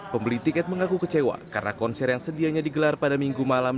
pembeli tiket mengaku kecewa karena konser yang sedianya digelar pada minggu malam